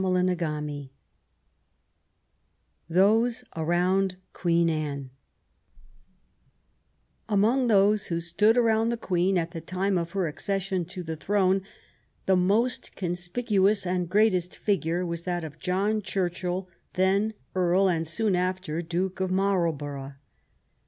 CHAPTER IV THOSE ABOUND QUEEN ANNE Among those who stood around the Queen at the time of her accession to the throne^ the most conspicuous and greatest figure was that of John Churchill, then Earl and soon after Duke of Marlborough.